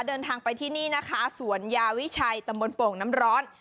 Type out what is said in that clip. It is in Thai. เดินทางไปที่นี่นะคะสวนยาวิชัยตำบลโป่งน้ำร้อน